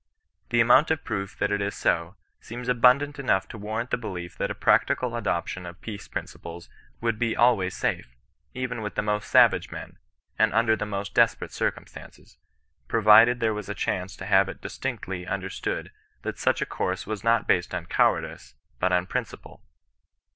'' The amount of proof that it is so, seems abundant enough to warrant the belief that a practical adoption of peace principles would be always safe, even with the most savage men, and under the most desperate circumstances, provided there was a chance to have it distinctly under stood that such a course was not based on cowardice, but on principle.